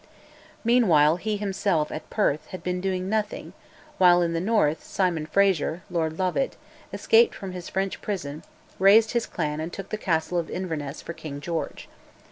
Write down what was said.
Meanwhile he himself, at Perth, had been doing nothing, while in the north, Simon Frazer (Lord Lovat) escaped from his French prison, raised his clan and took the castle of Inverness for King George.